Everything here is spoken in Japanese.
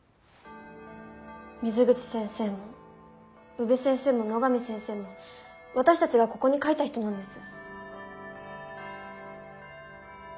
水口先生も宇部先生も野上先生も私たちがここに書いた人なんです。